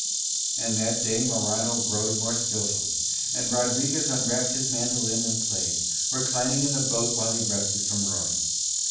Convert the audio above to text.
And that day Morano rowed more skilfully; and Rodriguez unwrapped his mandolin and played, reclining in the boat while he rested from rowing.